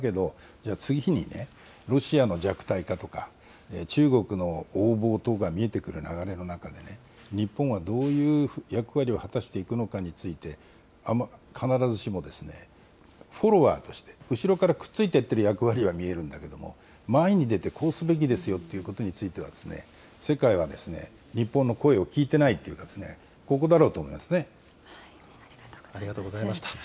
だけど、じゃあ次にね、ロシアの弱体化とか、中国の横暴とかが見えてくる流れの中で、日本はどういう役割を果たしていくのかについて、必ずしもフォロワーとして、後ろからくっついていってる役割は見えるんだけども、前に出てこうすべきですよということについては、世界は日本の声を聞いてないというか、ここだろうと思いまありがとうございました。